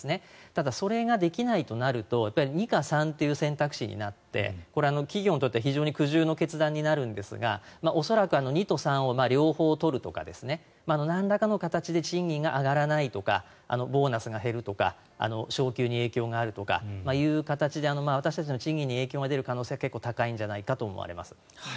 ただ、それができないとなると２か３という選択肢になってこれは企業にとって非常に苦渋の決断になるんですが恐らく、２と３を両方取るとかなんらかの形で賃金が上がらないとかボーナスが減るとか昇給に影響があるとかという形で私たちの賃金に影響が出る可能性は結構高いんじゃないかと思われます。